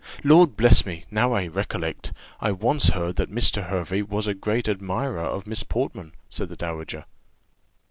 Lord bless me! now I recollect, I once heard that Mr. Hervey was a great admirer of Miss Portman," said the dowager.